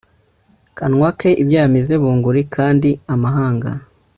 kanwa ke ibyo yamize bunguri kandi amahanga